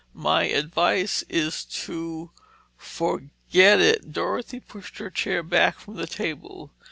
My advice is to forget it...." Dorothy pushed her chair back from the table.